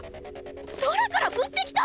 空から降ってきた！